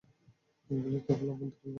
এগুলি কেবল অভ্যন্তরীণ ক্ষত।